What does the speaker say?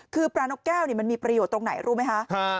คือปลานกแก้วมันมีประโยชน์ตรงไหนรู้ไหมคะ